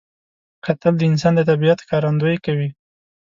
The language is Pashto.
کتل د انسان د طبیعت ښکارندویي کوي